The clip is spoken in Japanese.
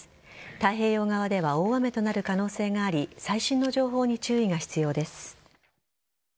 太平洋側では大雨となる可能性があり最新の情報に注意が必要です。